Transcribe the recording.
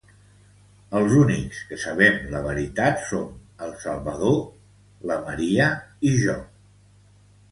Els únics que sabem la veritat som el Salvador, la Maria i jo.